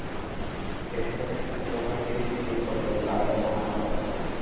এ সময় সশস্ত্র বাহিনীর একটি চৌকস দল গার্ড অব অনার প্রদান করে।